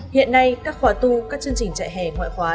hiện nay các khóa tu các chương trình trại hè ngoại khóa